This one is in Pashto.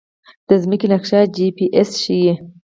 د ځمکې نقشه جی پي اس ښيي